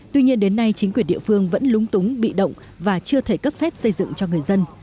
tuy nhiên đến nay chính quyền địa phương vẫn lúng túng bị động và chưa thể cấp phép xây dựng cho người dân